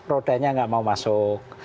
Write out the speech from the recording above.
rodanya gak mau masuk